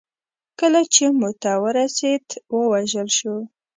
کله چې موته ته ورسېد ووژل شو.